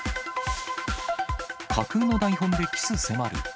架空の台本でキス迫る。